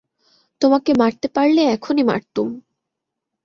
তোমাকে মারতে পারলে এখনই মারতুম।